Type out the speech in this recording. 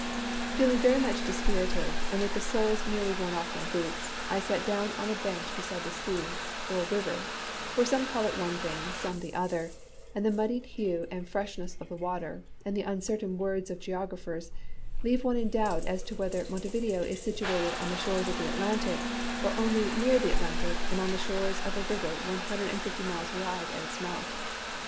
Feeling very much dispirited, and with the soles nearly worn off my boots, I sat down on a bench beside the sea, or river for some call it one thing, some the other, and the muddied hue and freshness of the water, and the uncertain words of geographers, leave one in doubt as to whether Montevideo is situated on the shores of the Atlantic, or only near the Atlantic and on the shores of a river one hundred and fifty miles wide at its mouth.